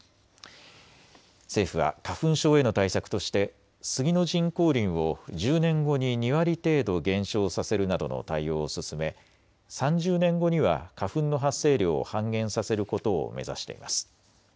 政府は花粉症への対策としてスギの人工林を１０年後に２割程度減少させるなどの対応を進め、３０年後には花粉の発生量を半減させることを目指しています。